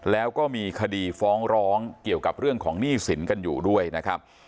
แล้วก็มีคดีฟ้องร้องเกี่ยวกับเรื่องของหนี้สินกันอยู่ด้วยนะครับ